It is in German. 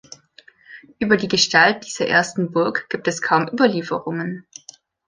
Über die Gestalt dieser ersten Burg gibt es kaum Überlieferungen.